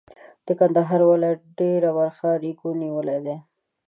د کندهار ولایت ډېره برخه ریګو نیولې ده.